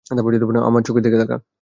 আমার চোখের দিকা তাকা।